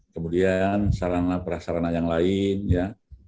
kemudian perasarana yang lain ya